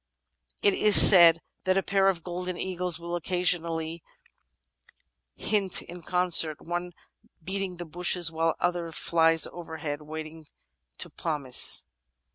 It is said that a pair of golden eagles will occasionally himt in concert, one beating the bushes while the other flies overhead, waiting to poimce.